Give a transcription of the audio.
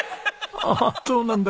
ああそうなんだ。